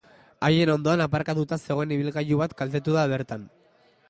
Haien ondoan aparkatuta zegoen ibilgailu bat kaltetu da bertan.